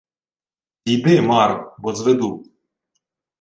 — Зійди, маро, бо зведу...